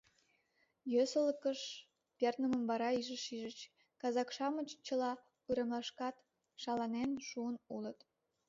Йӧсылыкыш пернымым вара иже шижыч: казак-шамыч чыла уремлашкат шаланен шуын улыт.